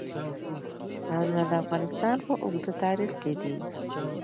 ښارونه د افغانستان په اوږده تاریخ کې دي.